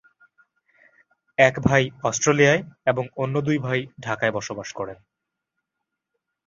এক ভাই অস্ট্রেলিয়ায় এবং অন্য দুই ভাই ঢাকায় বসবাস করেন।